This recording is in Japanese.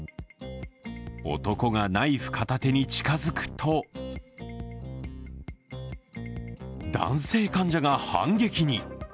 男がナイフ片手に近付くと男性患者が反撃に。